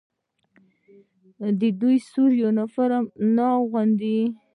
آیا دوی سور یونیفورم نه اغوندي؟